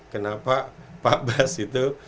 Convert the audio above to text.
kenapa pak bas itu